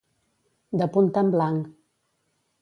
De punta en blanc.